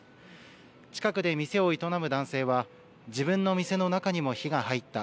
近くで店を営む男性は自分の店の中にも火が入った。